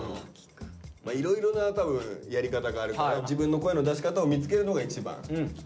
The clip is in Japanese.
まあいろいろな多分やり方があるから自分の声の出し方を見つけるのが一番理想じゃないですか。